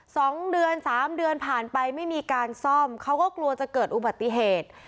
สองเดือนสามเดือนผ่านไปไม่มีการซ่อมเขาก็กลัวจะเกิดอุบัติเหตุ